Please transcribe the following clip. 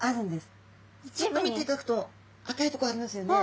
よく見ていただくと赤いとこありますよね。